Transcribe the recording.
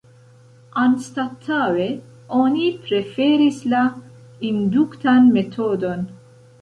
Anstataŭe oni preferis la induktan metodon.